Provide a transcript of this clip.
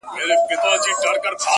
نه ماتېږي مي هیڅ تنده بې له جامه-